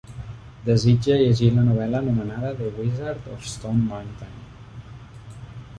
Desitja llegir la novel·la anomenada The Wizard of Stone Mountain